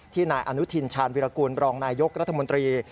นายอนุทินชาญวิรากูลบรองนายยกรัฐมนตรี